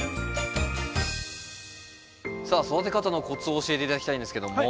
さあ育て方のコツを教えて頂きたいんですけども。